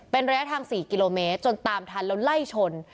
เป็นระยะทาง๔กิโลเมตรจนตามทันแล้วไล่ชน